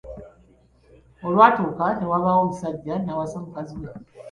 Olwatuuka ne wabaawo omusajja n’awasa mukazi we.